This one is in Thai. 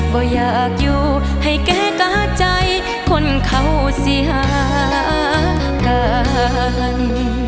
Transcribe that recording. อยากอยู่ให้แก้กาใจคนเขาสิหากัน